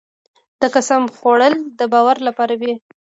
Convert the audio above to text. د قسم خوړل د باور لپاره وي.